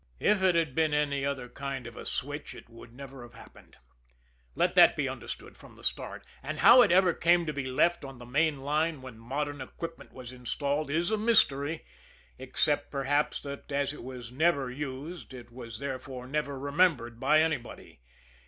If it had been any other kind of a switch it would never have happened let that be understood from the start. And how it ever came to be left on the main line when modern equipment was installed is a mystery, except perhaps that as it was never used it was therefore never remembered by anybody.